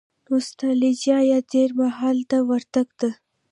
نو ستالجیا یا تېر مهال ته ورتګ ده.